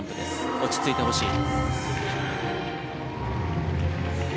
落ち着いてほしい。